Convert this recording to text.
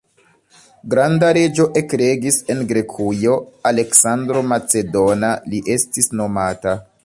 Granda reĝo ekregis en Grekujo; « Aleksandro Macedona » li estis nomata.